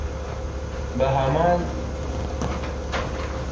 Bahamas